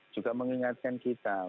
juga mengingatkan kita